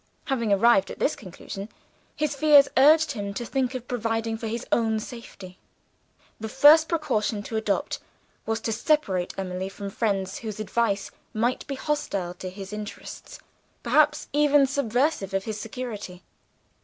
Having arrived at this conclusion, his fears urged him to think of providing for his own safety. The first precaution to adopt was to separate Emily from friends whose advice might be hostile to his interests perhaps even subversive of his security.